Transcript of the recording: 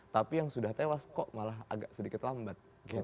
tapi yang sudah tewas kok malah agak sedikit lambat